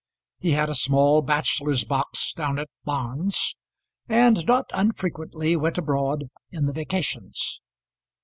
He had a small bachelor's box down at Barnes, and not unfrequently went abroad in the vacations.